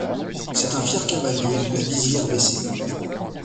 C'est un fier cavalier, la visière baissée